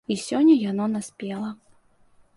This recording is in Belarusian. І сёння яно наспела.